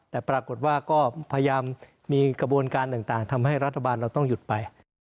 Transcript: แต่ปรากฏว่าก็พยายามมีกระบวนการต่างทำให้รัฐบาลเราต้องหยุดไป